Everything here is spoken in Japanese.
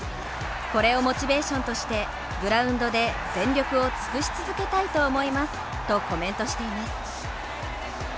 これをモチベーションとしてグラウンドで全力を尽くし続けたいと思いますとコメントしています。